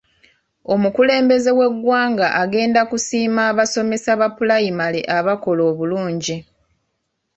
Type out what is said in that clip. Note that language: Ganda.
Omukulembeze w'eggwanga agenda kusiima abasomesa ba pulayimale abakola obulungi.